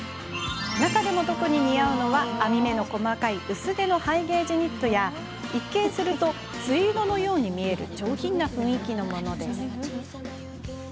中でも特に似合うのは編み目の細かい薄手のハイゲージニットや一見するとツイードのように見える上品な雰囲気のあるもの。